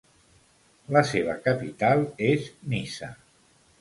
La seva capital és Niça.